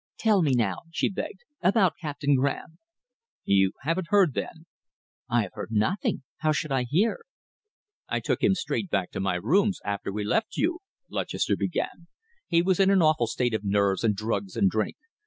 "Tell me now," she begged, "about Captain Graham?" "You haven't heard, then?" "I have heard nothing. How should I hear?" "I took him straight back to my rooms after we left you," Lutchester began. "He was in an awful state of nerves and drugs and drink.